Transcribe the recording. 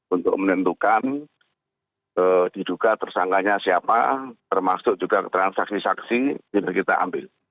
untuk menentukan diduga tersangkanya siapa termasuk juga transaksi saksi kita ambil